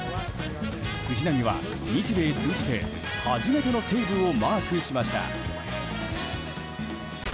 藤浪は日米通じて、初めてのセーブをマークしました。